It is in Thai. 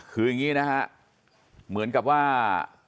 คืออย่างนี้นะฮะเหมือนกับว่า